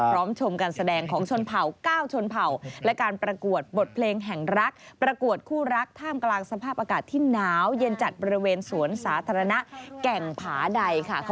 พร้อมชมกันแสดงของชนเผา๙ชนเผา